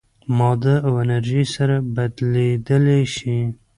ماده او انرژي سره بدلېدلی شي.